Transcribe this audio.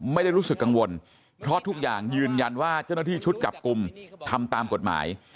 ไม่ได้รู้สึกกังวลเพราะทุกอย่างยืนยันว่าเจ้าหน้าที่ชุดจับกลุ่มทำตามกฎหมาย